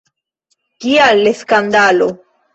Kial skandalo?